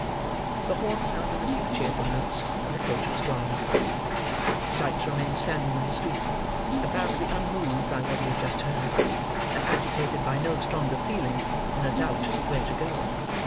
The horn sounded a few cheerful notes, and the coach was gone. Sikes remained standing in the street, apparently unmoved by what he had just heard, and agitated by no stronger feeling than a doubt where to go.